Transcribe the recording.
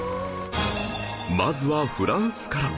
まずはフランスから